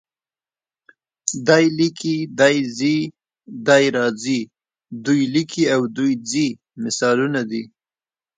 دی لیکي، دی ځي، دی راځي، دوی لیکي او دوی ځي مثالونه دي.